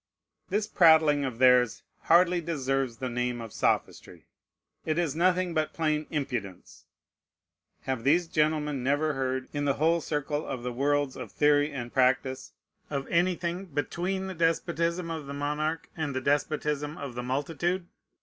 This prattling of theirs hardly deserves the name of sophistry. It is nothing but plain impudence. Have these gentlemen never heard, in the whole circle of the worlds of theory and practice, of anything between the despotism of the monarch and the despotism of the multitude?